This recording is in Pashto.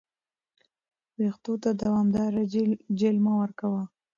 ویښتو ته دوامداره جیل مه ورکوه.